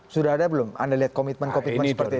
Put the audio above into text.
sudah ada belum anda lihat komitmen komitmen seperti itu